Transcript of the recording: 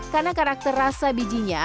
karena karakter rasa bijinya